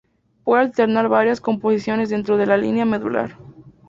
Puede alternar varias posiciones dentro de la línea medular.